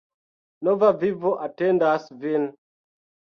Nova vivo atendas vin!